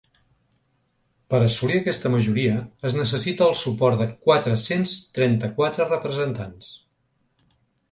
Per assolir aquesta majoria, es necessita el suport de quatre-cents trenta-quatre representants.